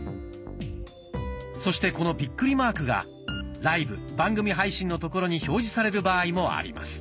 そしてこのビックリマークが「ライブ・番組配信」の所に表示される場合もあります。